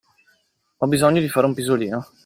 Ho bisogno di fare un pisolino.